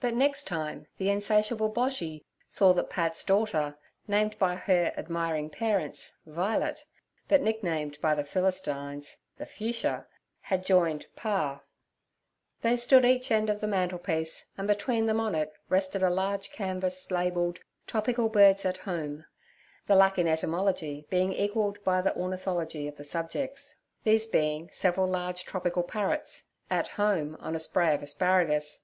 But next time the insatiable Boshy saw that Pat's daughter, named by her admiring parents 'Vi'let' but nicknamed by the Philistines 'The Fuchsia' had joined 'Pa.' They stood each end of the mantelpiece, and between them on it rested a large canvas labelled 'Topical Birds at Home' the lack in etymology being equalled by the ornithology of the subjects, these being seven large tropical parrots 'at home' on a spray of asparagus.